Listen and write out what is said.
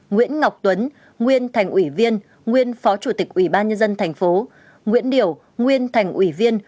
nguyễn ngọc tuấn nguyên thành ủy viên nguyên phó chủ tịch ủy ban nhân dân tp nguyễn điểu nguyên thành ủy viên